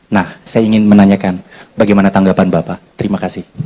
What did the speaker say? nah saya ingin menanyakan bagaimana tanggapan bapak terima kasih